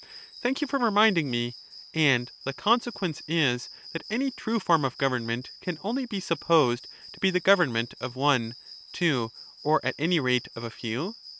Thank you for reminding me; and the consequence The science is that any true form of government can only be supposed to <^^«<>vern be the government of one, two, or, at any rate, of a few.